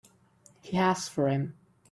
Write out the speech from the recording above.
He asked for him.